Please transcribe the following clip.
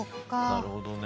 なるほどね。